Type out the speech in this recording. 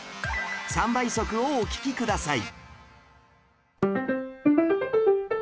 ３倍速をお聴きください